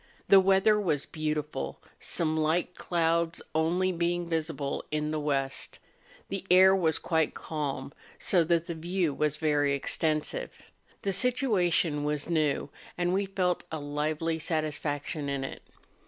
The weather was beautiful, some light clouds only being visible on the west; the air was quite calm, so that tlie view was very extensive; the situation was new, and we felt a lively satisfaction in it.